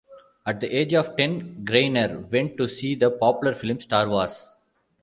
At the age of ten Greiner went to see the popular film "Star Wars".